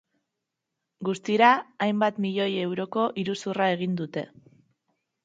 Guztira hainbat milioi euroko iruzurra egin dute.